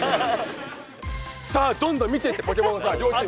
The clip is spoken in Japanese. さあどんどん見てってポケモンをさ両チーム。